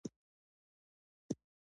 د مولوي صاحب هغه پور مې نه و پرې کړى.